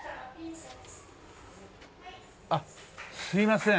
あっすいません。